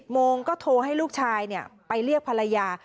โมงก็โทรให้ลูกชายไปเรียกภรรยา